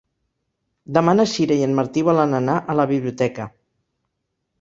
Demà na Sira i en Martí volen anar a la biblioteca.